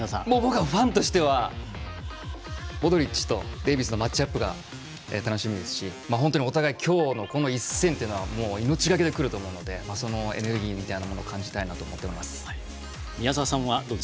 ファンとしてはモドリッチとデイビスのマッチアップが楽しみですし本当に、この一戦というのは命懸けでくると思いますのでそのエネルギーみたいなものを感じたいなと思ってます。